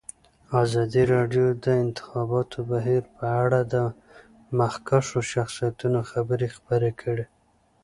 ازادي راډیو د د انتخاباتو بهیر په اړه د مخکښو شخصیتونو خبرې خپرې کړي.